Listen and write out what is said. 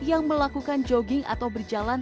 yang melakukan jogging atau berjalan